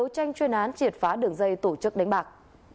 tranh chuyên án triệt phá đường dây tổ chức đánh bạc